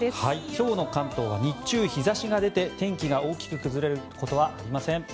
今日の関東は日中、日差しが出て天気が大きく崩れることはありません。